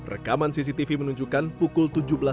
rekaman cctv menunjukkan pukul tujuh belas lima